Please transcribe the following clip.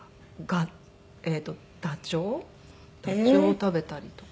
ダチョウを食べたりとか。